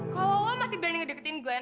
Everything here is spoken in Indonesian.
kalau lo masih berani ngedeketin glenn